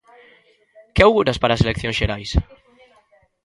Que auguras para as eleccións xerais?